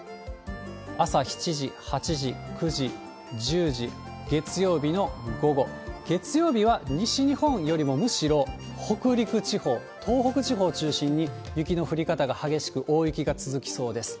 朝７時、８時、９時、１０時、月曜日の午後、月曜日は西日本よりもむしろ北陸地方、東北地方中心に、雪の降り方が激しく、大雪が続きそうです。